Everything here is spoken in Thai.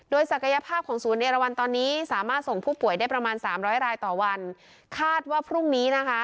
ศักยภาพของศูนย์เอราวันตอนนี้สามารถส่งผู้ป่วยได้ประมาณสามร้อยรายต่อวันคาดว่าพรุ่งนี้นะคะ